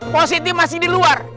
positi masih di luar